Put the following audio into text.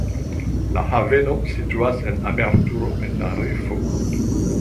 La haveno situas en aperturo en la rifo.